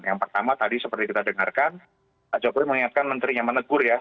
yang pertama tadi seperti kita dengarkan pak jokowi mengingatkan menterinya menegur ya